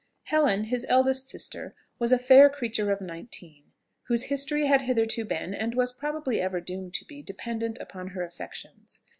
Helen, his eldest sister, was a fair creature of nineteen, whose history had hitherto been, and was probably ever doomed to be, dependant upon her affections.